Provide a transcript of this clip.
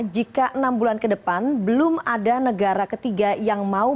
jika enam bulan ke depan belum ada negara ketiga yang mau